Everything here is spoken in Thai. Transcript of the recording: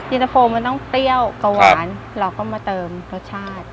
เย็นเตอร์โฟมันต้องเตี้ยวกว่าหวานครับเราก็มาเติมรสชาติ